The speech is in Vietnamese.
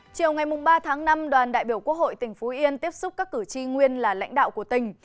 chiều ngày ba tháng năm đoàn đại biểu quốc hội tỉnh phú yên tiếp xúc các cử tri nguyên là lãnh đạo của tỉnh